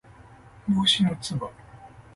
帽子のつば